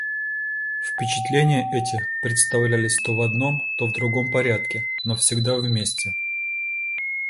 Впечатления эти представлялись то в одном, то в другом порядке, но всегда вместе.